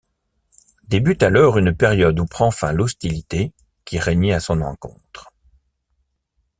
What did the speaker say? Débute alors une période où prend fin l'hostilité qui régnait à son encontre.